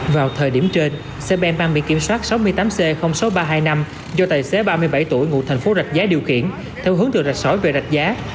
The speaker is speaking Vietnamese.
vào thời điểm trên xe ben mang bị kiểm soát sáu mươi tám c sáu nghìn ba trăm hai mươi năm do tài xế ba mươi bảy tuổi ngụ thành phố rạch giá điều khiển theo hướng từ rạch sỏi về rạch giá